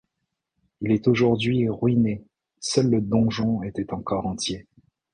Il est aujourd'hui ruiné, seul le donjon étant encore entier.